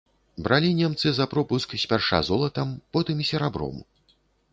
Бралі немцы за пропуск спярша золатам, потым серабром.